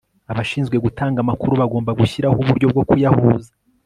abashinzwe gutanga amakuru bagomba gushyiraho uburyo bwo kuyahuza